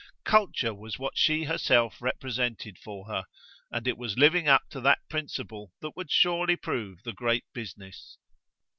Culture was what she herself represented for her, and it was living up to that principle that would surely prove the great business.